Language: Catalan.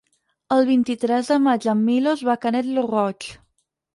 El vint-i-tres de maig en Milos va a Canet lo Roig.